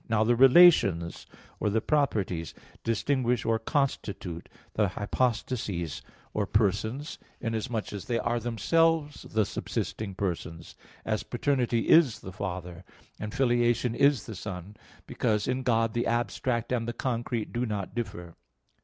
Now the relations or the properties distinguish or constitute the hypostases or persons, inasmuch as they are themselves the subsisting persons; as paternity is the Father, and filiation is the Son, because in God the abstract and the concrete do not differ.